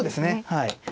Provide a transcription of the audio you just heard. はい。